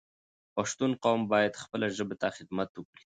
پښتون قوم باید خپله ژبه ته خدمت وکړی